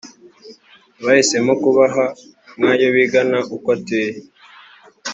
bahisemo kubaho nkayo bigana uko ateye